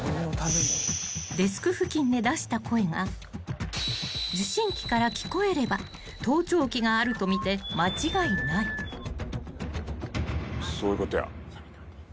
［デスク付近で出した声が受信機から聞こえれば盗聴器があるとみて間違いない］しゃべってもらっていい？